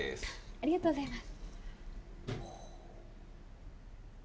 ありがとうございます